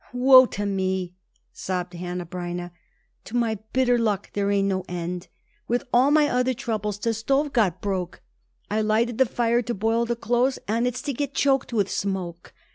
"Woe to me!" sobbed Hanneh Breineh. "To my bitter luck there ain't no end. With all my other troubles, the stove got broke'. I lighted the fire to boil the clothes, and it's to get choked with smoke.